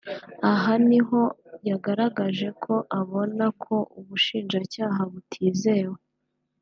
Aha niho yagaragaje ko abona ko Ubushinjacyaha butizewe